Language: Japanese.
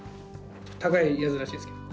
高いやつらしいですけど。